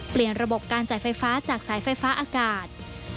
เปลี่ยนระบบการจ่ายไฟฟ้าจากสายไฟฟ้าอากาศ